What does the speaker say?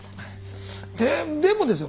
でもですよ